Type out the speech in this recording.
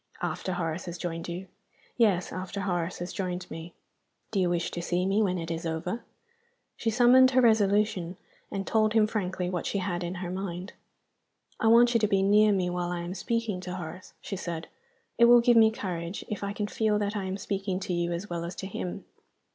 "After Horace has joined you?" "Yes. After Horace has joined me." "Do you wish to see me when it is over?" She summoned her resolution, and told him frankly what she had in her mind. "I want you to be near me while I am speaking to Horace," she said. "It will give me courage if I can feel that I am speaking to you as well as to him.